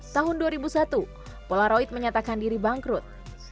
tahun dua ribu satu polaroid menyatakan diri bangkrut